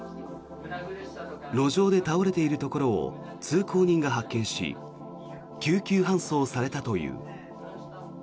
路上で倒れているところを通行人が発見し救急搬送されたという。